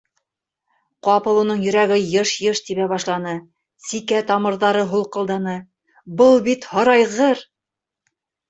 Ҡапыл уның йөрәге йыш-йыш тибә башланы, сикә тамырҙары һулҡылданы - был бит һарайғыр!